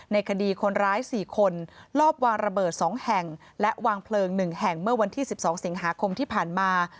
ในคดีคนร้าย๔คนลอบวางระเบิด๒แห่งและวางเพลิง๑แห่งเมื่อวันที่๑๒สิงหาคมที่ผ่านมา